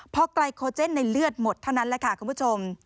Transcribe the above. พอไกลโคเจนในเลือดหมดเท่านั้นแหละค่ะคุณผู้ชม